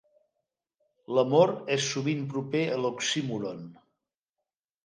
L'amor és, sovint, proper a l'oxímoron.